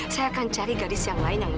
saya akan cari gadis yang lain yang lebih